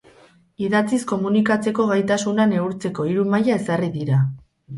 Idatziz komunikatzeko gaitasuna neurtzeko hiru maila ezarri dira.